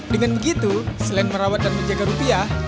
dengan begitu selain merawat dan menjaga rupiah